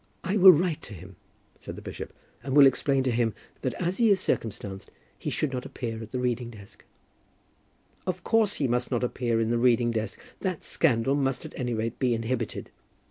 "I will write to him," said the bishop, "and will explain to him that as he is circumstanced he should not appear in the reading desk." "Of course he must not appear in the reading desk. That scandal must at any rate be inhibited."